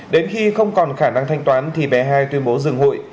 đến khi không còn khả năng thanh toán thì bé hai tuyên bố dừng hụi